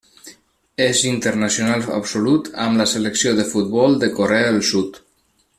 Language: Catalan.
És internacional absolut amb la selecció de futbol de Corea del Sud.